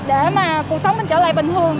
để mà cuộc sống mình trở lại bình thường